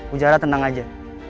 ujara tenang aja